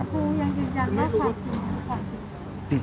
ครูยังยืนยังว่าความจริงคือความจริงครับ